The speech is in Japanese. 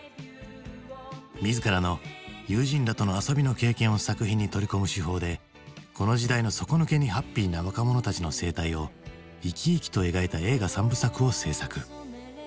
自らの友人らとの遊びの経験を作品に取り込む手法でこの時代の底抜けにハッピーな若者たちの生態を生き生きと描いた映画３部作を製作。